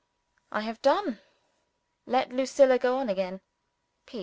I have done: let Lucilla go on again.